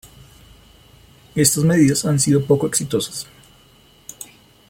Estas medidas han sido poco exitosas.